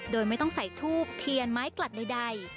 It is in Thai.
โดยไม่ต้องใส่ทูบเทียนไม้กลัดใด